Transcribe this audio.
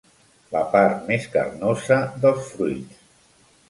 La part més carnosa dels fruits.